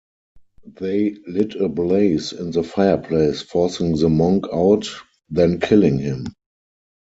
They lit a blaze in the fireplace, forcing the monk out then killing him.